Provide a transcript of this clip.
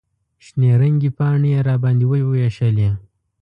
شنې رنګې پاڼې یې راباندې ووېشلې.